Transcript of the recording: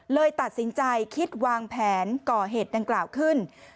เลยตัดสินใจคิดวางแผนก่อเหตุดังกล่าวขึ้น